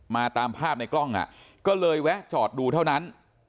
ตามภาพในกล้องอ่ะก็เลยแวะจอดดูเท่านั้น